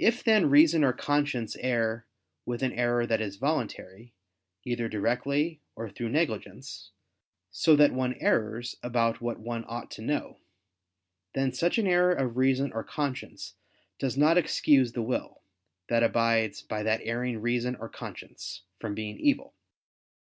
If then reason or conscience err with an error that is voluntary, either directly, or through negligence, so that one errs about what one ought to know; then such an error of reason or conscience does not excuse the will, that abides by that erring reason or conscience, from being evil.